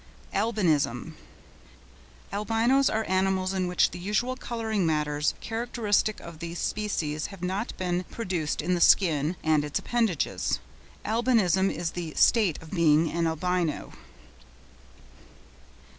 ALBINISM.—Albinos are animals in which the usual colouring matters characteristic of the species have not been produced in the skin and its appendages. Albinism is the state of being an albino.